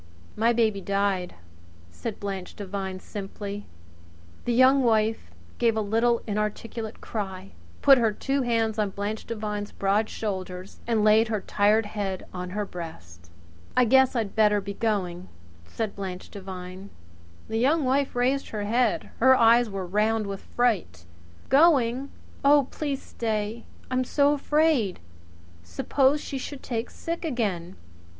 "My baby died," said Blanche Devine simply. The Young Wife gave a little inarticulate cry, put her two hands on Blanche Devine's broad shoulders and laid her tired head on her breast. "I guess I'd better be going," said Blanche Devine. The Young Wife raised her head. Her eyes were round with fright. "Going! Oh, please stay! I'm so afraid. Suppose she should take sick again!